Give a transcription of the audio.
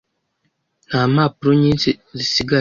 Nta mpapuro nyinshi zisigaye.